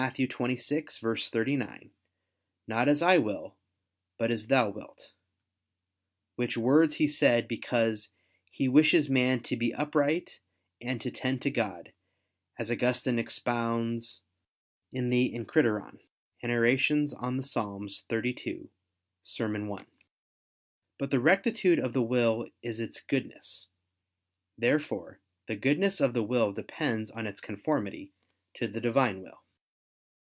26:39): "Not as I will, but as Thou wilt": which words He said, because "He wishes man to be upright and to tend to God," as Augustine expounds in the Enchiridion [*Enarr. in Ps. 32, serm. i.]. But the rectitude of the will is its goodness. Therefore the goodness of the will depends on its conformity to the Divine will.